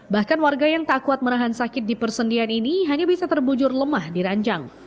bahkan warga yang tak kuat menahan sakit di persendian ini hanya bisa terbujur lemah di ranjang